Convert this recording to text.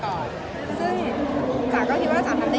ก็ต้องพิสูจน์มันไม่ใช่แค่ตัวจำเป็นคนด้วย